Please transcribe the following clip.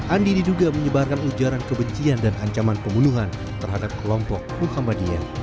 andi diduga menyebarkan ujaran kebencian dan ancaman pembunuhan terhadap kelompok muhammadiyah